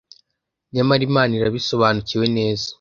Nyamara Imana irabisobanukiwe neza